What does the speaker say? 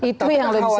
itu yang lebih substansi